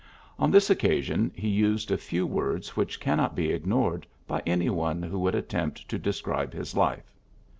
On this occa sion he used a few words which cannot be ignored by any one who would at tempt to describe his life.